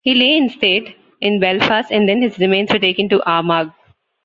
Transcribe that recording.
He lay in state in Belfast and then his remains were taken to Armagh.